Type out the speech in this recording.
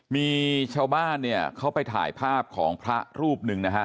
มีชาวบ้านเนี่ยเขาไปถ่ายภาพของพระรูปหนึ่งนะฮะ